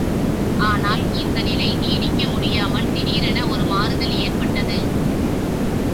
ஆனால் இந்த நிலை நீடிக்க முடியாமல் திடீரென ஒரு மாறுதல் ஏற்பட்டது.